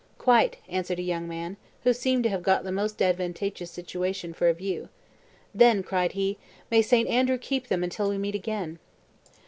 "Quite," answered a young man, who seemed to have got the most advantageous situation for a view. "Then," cried he, "may St. Andrew keep them until we meet again!"